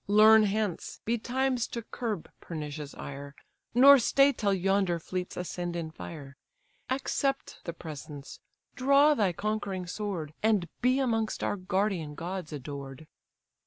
Learn hence, betimes to curb pernicious ire, Nor stay till yonder fleets ascend in fire; Accept the presents; draw thy conquering sword; And be amongst our guardian gods adored."